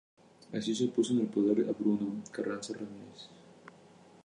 Así puso en el poder a Bruno Carranza Ramírez.